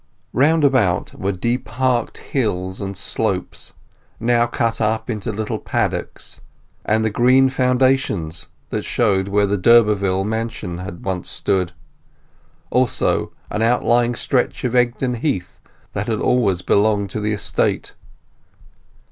Round about were deparked hills and slopes—now cut up into little paddocks—and the green foundations that showed where the d'Urberville mansion once had stood; also an outlying stretch of Egdon Heath that had always belonged to the estate.